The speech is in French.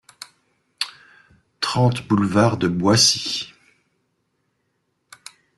trente boulevard de Boissy